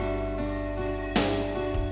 harus kehap sakit